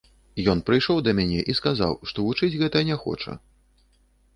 Ён прыйшоў ды мяне і сказаў, што вучыць гэта не хоча.